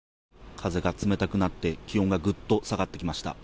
風が冷たくなって気温がぐっと下がってきました。